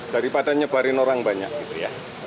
daripada nyebarin orang banyak gitu ya